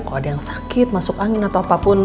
kalau ada yang sakit masuk angin atau apapun